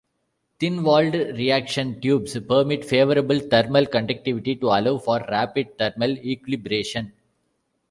Thin-walled reaction tubes permit favorable thermal conductivity to allow for rapid thermal equilibration.